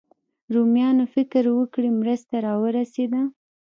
رومیان فکر وکړي مرسته راورسېده.